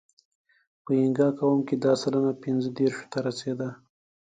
په اینګا قوم کې دا سلنه پینځهدېرشو ته رسېده.